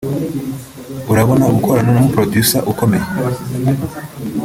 urabona gukorana n’umu-producer ukomeye